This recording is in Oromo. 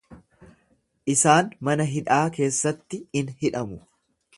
Isaan mana hidhaa keessatti in hidhamu.